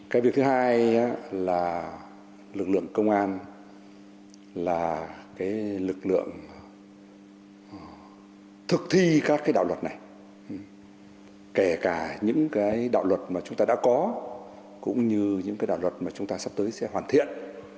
cái việc thứ hai là lực lượng công an là cái lực lượng thực thi các cái đạo luật này kể cả những cái đạo luật mà chúng ta đã có cũng như những cái đạo luật mà chúng ta sắp tới sẽ hoàn thiện